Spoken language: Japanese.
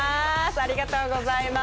ありがとうございます。